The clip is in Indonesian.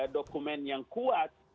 dokumen yang kuat